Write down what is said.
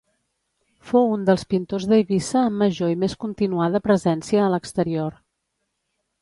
Fou un dels pintors d’Eivissa amb major i més continuada presència a l’exterior.